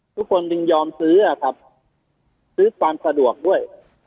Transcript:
ทุกคนจึงยอมซื้อครับซื้อความสะดวกด้วย